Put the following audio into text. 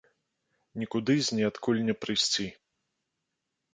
Нікуды з ніадкуль не прыйсці.